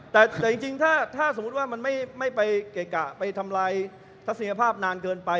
แต่จริงถ้าสมมุติว่ามันไม่ไปเกะกะไปทำลายทัศนียภาพนานเกินไป